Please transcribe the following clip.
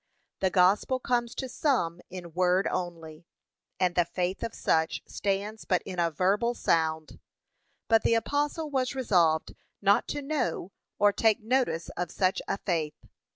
The gospel comes to some in word only, and the faith of such stands but in a verbal sound; but the apostle was resolved not to know or take notice of such a faith.